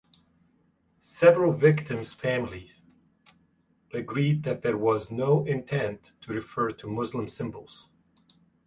Several victims' families agreed that there was no intent to refer to Muslim symbols.